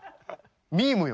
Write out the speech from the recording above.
ミームよ